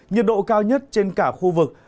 nhiệt độ cao nhất trên cả khu vực